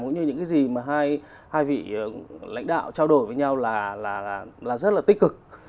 cũng như những cái gì mà hai vị lãnh đạo trao đổi với nhau là rất là tích cực